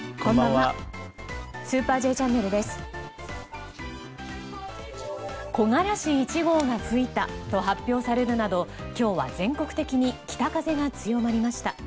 木枯らし１号が吹いたと発表されるなど今日は全国的に北風が強まりました。